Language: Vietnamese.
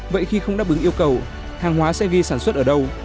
vậy khi không đáp ứng yêu cầu hàng hóa sẽ ghi sản xuất ở đâu